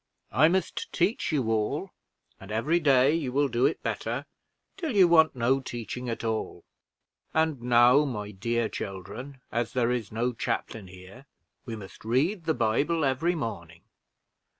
I must teach you all, and every day you will do it better, till you want no teaching at all. And now, my dear children, as there is no chaplain here, we must read the Bible every morning.